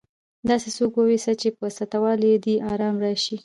داسي څوک واوسه، چي په سته والي دي ارامي راسي.